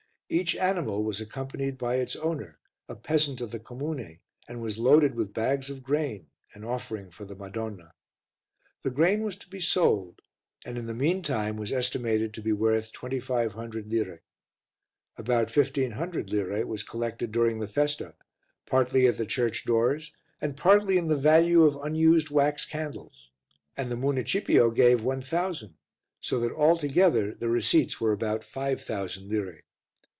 Each animal was accompanied by its owner, a peasant of the comune, and was loaded with bags of grain, an offering for the Madonna. This grain was to be sold and, in the mean time, was estimated to be worth 2500 lire. About 1500 lire was collected during the festa, partly at the church doors and partly in the value of unused wax candles, and the municipio gave 1000, so that altogether the receipts were about 5000 lire.